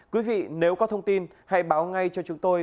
quý vị nếu có thông tin hãy báo ngay cho chúng tôi